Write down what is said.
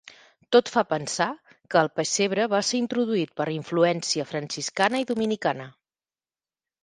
Tot fa pensar que el pessebre va ser introduït per influència franciscana i dominicana.